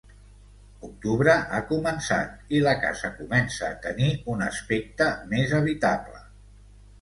Octubre ha començat i la casa comença a tenir un aspecte més habitable.